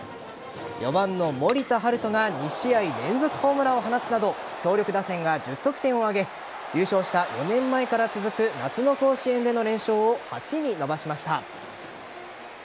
４番の森田大翔が２試合連続ホームランを放つなど強力打線が１０得点を挙げ優勝した４年前から続く夏の甲子園での連勝を８に伸ばしました。